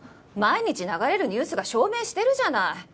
毎日流れるニュースが証明してるじゃない。